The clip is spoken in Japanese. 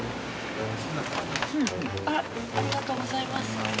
あらありがとうございます。